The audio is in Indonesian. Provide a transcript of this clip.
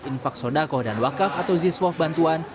infak sodako dan wakaf atau ziswof bantuan